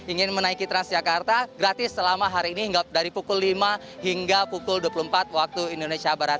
ingin menaiki transjakarta gratis selama hari ini dari pukul lima hingga pukul dua puluh empat waktu indonesia barat